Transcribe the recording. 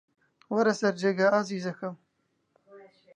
وەرەوە سەر جێگا، ئازیزەکەم.